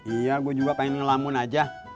iya gue juga pengen ngelamin aja